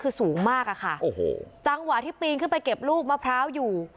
คือสูงมากอะค่ะโอ้โหจังหวะที่ปีนขึ้นไปเก็บลูกมะพร้าวอยู่